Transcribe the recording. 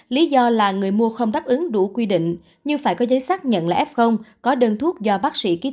lý do là người mua không đáp ứng đủ quy định như phải có giấy xác nhận là f có đơn thuốc do bác sĩ ký